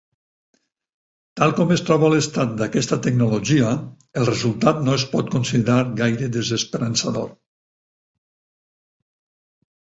Tal com es troba l'estat d'aquesta tecnologia el resultat no es pot considerar gaire desesperançador.